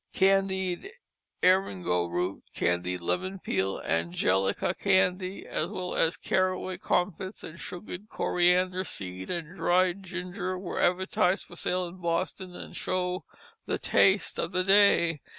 Candied eringo root, candied lemon peel, angelica candy, as well as caraway comfits and sugared coriander seed and dried ginger, were advertised for sale in Boston, and show the taste of the day.